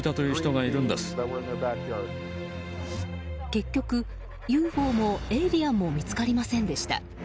結局、ＵＦＯもエイリアンも見つかりませんでした。